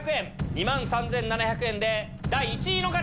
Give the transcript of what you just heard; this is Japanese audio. ２万３７００円で第１位の方！